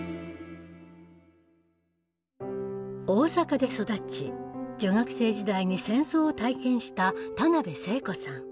大阪で育ち女学生時代に戦争を体験した田辺聖子さん。